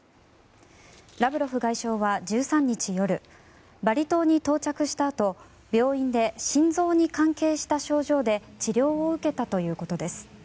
ラブロフ外相は１３日夜バリ島に到着したあと病院で、心臓に関係した症状で治療を受けたということです。